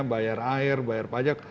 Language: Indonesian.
bayar air bayar pajak